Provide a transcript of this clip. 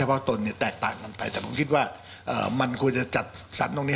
เพราะตนเนี่ยแตกต่างกันไปแต่ผมคิดว่ามันควรจะจัดสรรตรงนี้